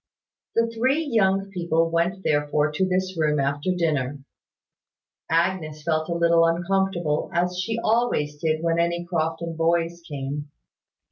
The three young people went therefore to this room after dinner. Agnes felt a little uncomfortable, as she always did when any Crofton boys came.